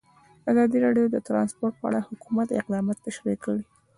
ازادي راډیو د ترانسپورټ په اړه د حکومت اقدامات تشریح کړي.